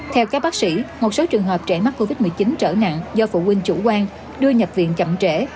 theo các bác sĩ một số trường hợp trẻ mắc covid một mươi chín trở nặng do phụ huynh chủ quan đưa nhập viện chậm trễ